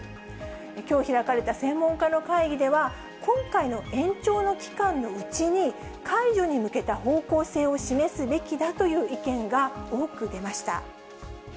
きょう開かれた専門家の会議では、今回の延長の期間のうちに、解除に向けた方向性を示すべきだという意見が多く出ました。